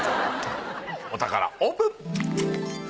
お宝オープン。